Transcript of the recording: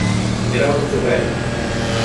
Get out of the way!